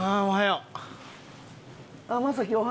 おはよう。